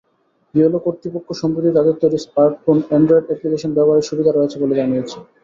ইয়োলা কর্তৃপক্ষ সম্প্রতি তাদের তৈরি স্মার্টফোনে অ্যান্ড্রয়েড অ্যাপ্লিকেশন ব্যবহারের সুবিধা রয়েছে বলে জানিয়েছেন।